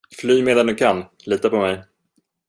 Fly medan du kan, lita på mig.